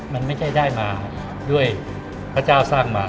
มันไม่ใช่ได้มาด้วยพระเจ้าสร้างมา